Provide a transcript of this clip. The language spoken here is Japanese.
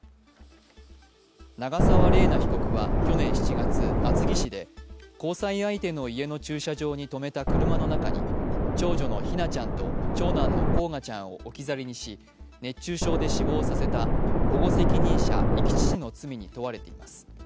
長沢麗奈被告は去年７月、厚木市で交際相手の家の駐車場に止めた車の中に長女の姫梛ちゃんと長男の煌翔ちゃんを置き去りにし、熱中症で死亡させた、保護責任者遺棄致死の罪に問われています。